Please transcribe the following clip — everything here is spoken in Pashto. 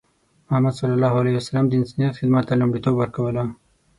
محمد صلى الله عليه وسلم د انسانیت خدمت ته لومړیتوب ورکوله.